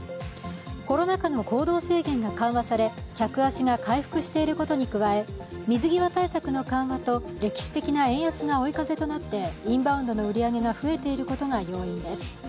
コロナ禍の行動制限が緩和され客足が回復していることに加え水際対策の緩和と歴史的な円安が追い風となってインバウンドの売り上げが増えていることが要因です。